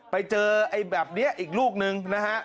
ไปเจอไอ้แบบนี้อีกลูกนึงนะฮะ